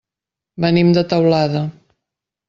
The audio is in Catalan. Venim de Teulada.